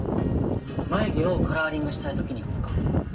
眉毛をカラーリングしたい時に使う。